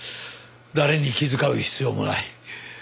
誰に気遣う必要もない。